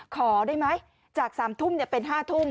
ขอได้ไหมจาก๓ทุ่มเป็น๕ทุ่ม